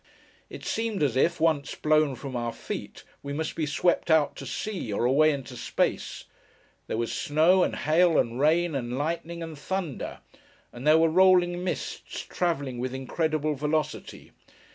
It seemed as if, once blown from our feet, we must be swept out to sea, or away into space. There was snow, and hail, and rain, and lightning, and thunder; and there were rolling mists, travelling with incredible velocity.